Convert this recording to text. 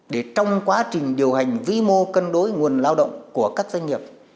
để trong quá trình điều hành vĩ mô cân đối nguồn lao động của các doanh nghiệp